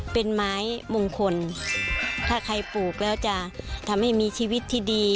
เป็นไม้มงคลถ้าใครปลูกแล้วจะทำให้มีชีวิตที่ดี